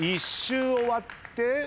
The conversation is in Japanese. １周終わって。